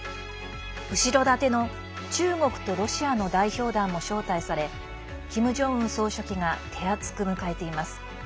後ろ盾の中国とロシアの代表団も招待されキム・ジョンウン総書記が手厚く迎えています。